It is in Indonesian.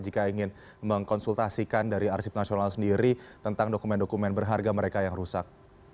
jika ingin mengkonsultasikan dari arsip nasional sendiri tentang dokumen dokumen berharga mereka yang rusak